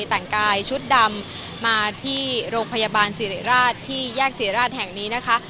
แต่งกายชุดดำมาที่โรงพยาบาลสิริราชที่แยกศรีราชแห่งนี้นะคะ